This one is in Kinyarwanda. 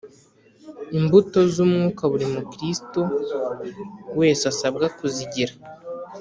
imbuto z umwuka buri mukrisito wese asabwa kuzigira